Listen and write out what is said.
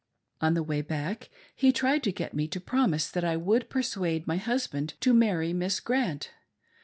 On the way back, he tried to get me to promise that I would persuade my husband to marry Miss Grant.